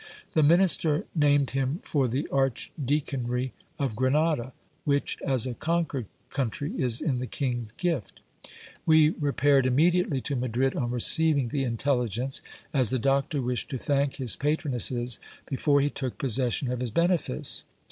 The minister named him for the archdeaconry of Grenada, which, as a conquered country, is in the king's gift. We repaired immediately to Madrid on receiving the intelligence, as the doctor wished to thank his patronesses before he took possession of his benefice.